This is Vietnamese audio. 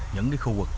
những khu vực